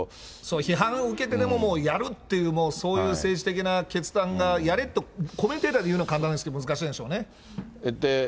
批判を受けてでもやるっていう、そういう政治的な決断が、やれとコメンテーターで言うの簡単ですけど、難しいんでしょうね。